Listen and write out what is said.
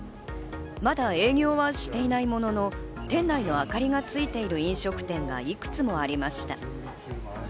まだ営業はしていないものの、店内の明かりがついている飲食店がいくつもありました。